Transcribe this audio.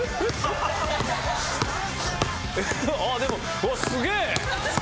ああでもうわっすげえ！